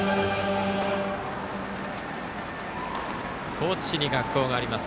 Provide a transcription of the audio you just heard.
高知市に学校があります